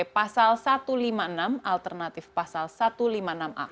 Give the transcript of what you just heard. pasal satu ratus lima puluh enam alternatif pasal satu ratus lima puluh enam a